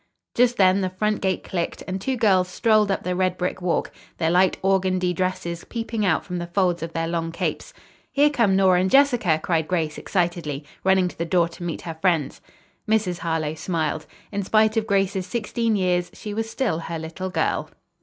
Just then the front gate clicked and two girls strolled up the red brick walk, their light organdie dresses peeping out from the folds of their long capes. "Here come Nora and Jessica," cried Grace excitedly, running to the door to meet her friends. Mrs. Harlowe smiled. In spite of Grace's sixteen years she was still her little girl.